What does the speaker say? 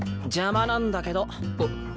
邪魔なんだけど。